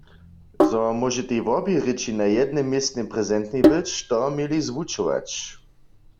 Zo móžetej wobě rěči na jednym městnje prezentnej być, to měli zwučować.